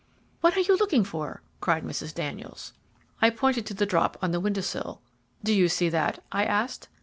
"What are you looking for?" cried Mrs. Daniels. I pointed to the drop on the window sill. "Do you see that?" I asked.